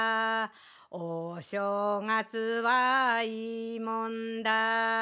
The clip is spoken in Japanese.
「お正月はいいもんだ」